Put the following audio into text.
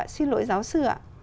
xin lỗi giáo sư